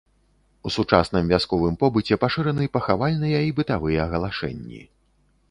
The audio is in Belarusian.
У сучасным вясковым побыце пашыраны пахавальныя і бытавыя галашэнні.